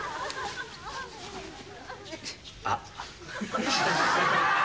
あっ。